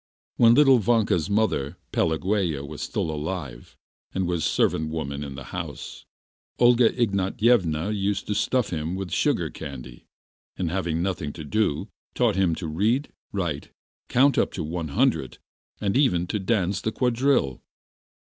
When little Vanka's mother, Pelagueya, was still alive, and was servant woman in the house, Olga Ignatyevna used to stuff him with sugar candy, and, having nothing to do, taught him to read, write, count up to one hundred, and even to dance the quadrille.